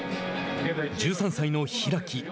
１３歳の開。